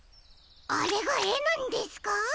あれがえなんですか！？